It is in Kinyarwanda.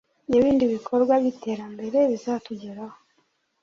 n’ibindi bikorwa by’iterambere bizatugeraho